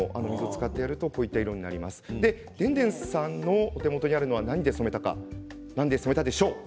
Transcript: でんでんさんのお手元にあるのは何で染めたでしょう？